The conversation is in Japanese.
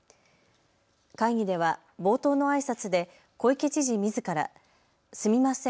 会議では冒頭のあいさつで小池知事みずからすみません。